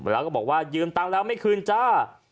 แล้วก็บอกว่ายืมตังค์แล้วไม่คืนจ้า